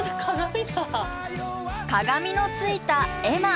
鏡のついた絵馬。